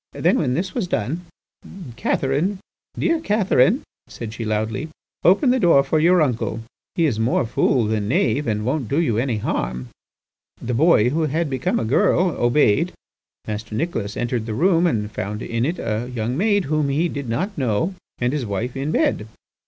Then when this was done, 'Catherine, dear Catherine,' said she, loudly, 'open the door for your uncle; he is more fool than knave, and won't do you any harm.' The boy who had become a girl, obeyed. Master Nicholas entered the room and found in it a young maid whom he did not know, and his wife in bed.